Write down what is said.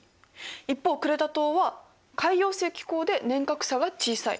一方クレタ島は海洋性気候で年較差が小さい。